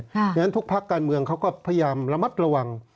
เพราะฉะนั้นทุกภาคการเมืองเขาก็พยายามระมัดระวัง